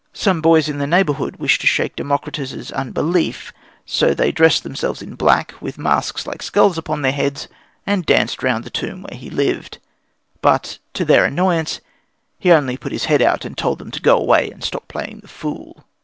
Some boys in the neighbourhood wished to shake Democritus's unbelief, so they dressed themselves in black with masks like skulls upon their heads and danced round the tomb where he lived. But, to their annoyance, he only put his head out and told them to go away and stop playing the fool.